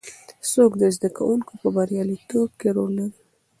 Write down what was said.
څوک د زده کوونکو په بریالیتوب کې رول لري؟